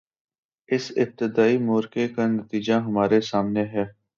اس ابتدائی معرکے کا نتیجہ ہمارے سامنے ہے۔